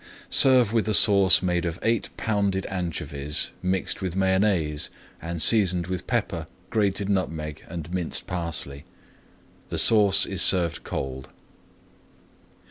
Serve with a sauce made of eight pounded anchovies mixed with Mayonnaise and seasoned with pepper, grated nutmeg, and minced parsley. The sauce is served cold.